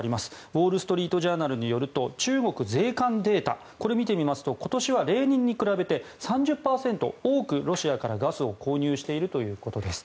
ウォール・ストリート・ジャーナルによると中国税関データこれ見てみますと今年は例年に比べて３０％多く、ロシアからガスを購入しているということです。